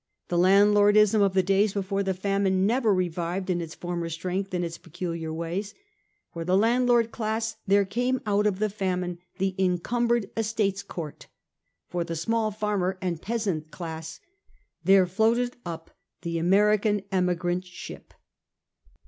The landlordism of the days before the famine never revived in its former strength and its peculiar ways. For the landlord class there came out of the famine the Encumbered Estates Court ; for the small farmer and peasant class there floated up the American emigrant ship.